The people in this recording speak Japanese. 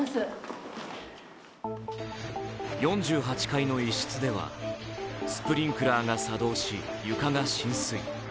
４８階の一室ではスプリンクラーが作動し床が浸水。